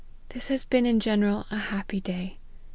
This has been in general a happy day.